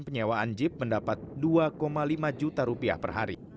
penyewaan jeep mendapat dua lima juta rupiah per hari